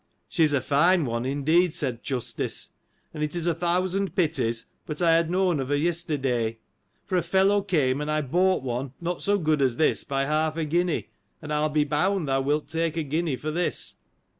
— She is a fine one, indeed, said th' justice; and it is a thousand pities, but I had known of her yesterday ; for, a fellow came, and I bought one, not so good as this by half a guinea ; and I'll be bound thou wilt take a guinea for this.